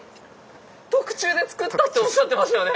特注でつくったっておっしゃってましたよね。